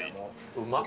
うまっ！